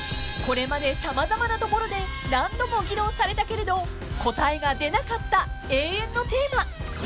［これまで様々なところで何度も議論されたけれど答えが出なかった永遠のテーマ］